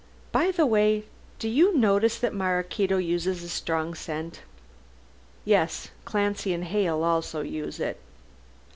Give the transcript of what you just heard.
By the way, do you notice that Maraquito uses a strong scent?" "Yes. Clancy and Hale also use it."